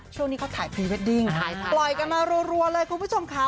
ช่วงนี้เขาถ่ายพรีเวดดิ้งปล่อยกันมารัวเลยคุณผู้ชมค่ะ